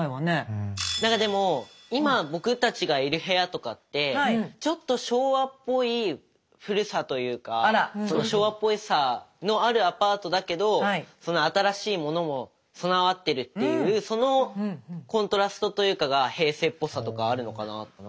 何かでも今僕たちがいる部屋とかってちょっと昭和っぽい古さというか昭和っぽさのあるアパートだけど新しいものも備わってるっていうそのコントラストというかが平成っぽさとかあるのかなと。